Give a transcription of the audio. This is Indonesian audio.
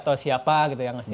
atau siapa gitu yang ngasih